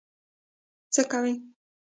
څه کوې؟